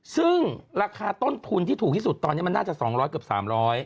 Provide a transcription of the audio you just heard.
ซึ่งราคาต้นทุนที่ถูกที่สุดตอนนี้มันน่าจะ๒๐๐เกือบ๓๐๐บาท